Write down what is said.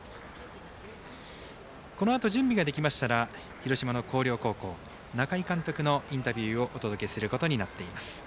このあと準備ができましたら広島の広陵高校、中井監督のインタビューをお届けすることになっています。